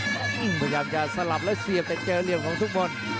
กรรมการจะสลับแล้วเสียบแต่เจอเหลี่ยวของทุกมนต์